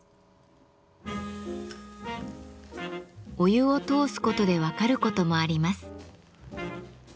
お湯を通すことで分かることもあります。